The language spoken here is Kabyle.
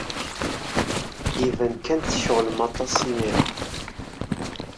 Iban kan tceɣlem aṭas imir-a.